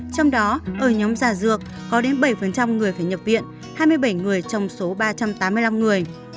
trong đó ở nhóm giả dược có đến bảy người phải nhập viện hai mươi bảy người trong số ba trăm tám mươi năm người